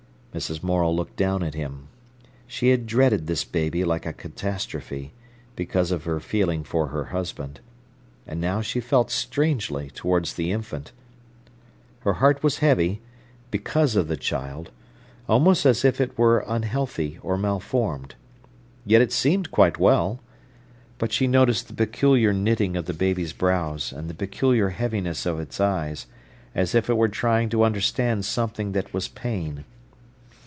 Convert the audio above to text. Mrs. Morel looked down at him. She had dreaded this baby like a catastrophe, because of her feeling for her husband. And now she felt strangely towards the infant. Her heart was heavy because of the child, almost as if it were unhealthy, or malformed. Yet it seemed quite well. But she noticed the peculiar knitting of the baby's brows, and the peculiar heaviness of its eyes, as if it were trying to understand something that was pain.